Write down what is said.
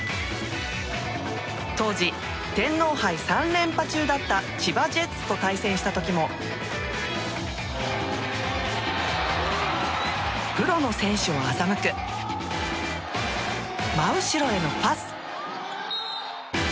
当時、天皇杯３連覇中だった千葉ジェッツと対戦した時もプロの選手を欺く真後ろへのパス。